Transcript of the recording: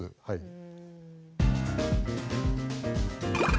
はい。